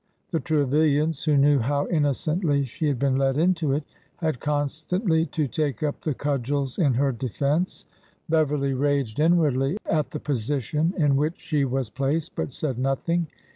The Trevilians, who knew how innocently she had been led into it, had constantly to take up the cudgels in her defense. Bev erly raged inwardly at the position in which she was placed, but said nothing.